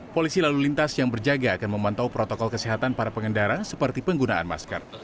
polisi lalu lintas yang berjaga akan memantau protokol kesehatan para pengendara seperti penggunaan masker